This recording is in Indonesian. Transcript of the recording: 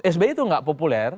sbi itu tidak populer